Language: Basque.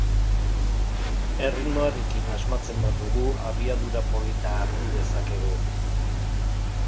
Erritmoarekin asmatzen badugu abiadura polita hartu dezakegu.